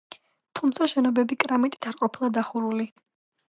თუმცა შენობები კრამიტით არ ყოფილა დახურული.